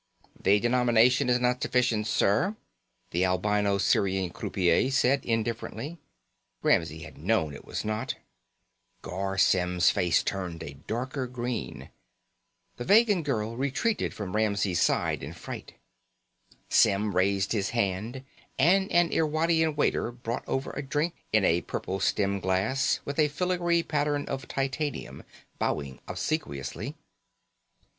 "The denomination is not sufficient, sir," the albino Sirian croupier said indifferently. Ramsey had known it was not. Garr Symm's face turned a darker green. The Vegan girl retreated from Ramsey's side in fright. Symm raised his hand and an Irwadian waiter brought over a drink in a purple stem glass with a filigree pattern of titanium, bowing obsequiously.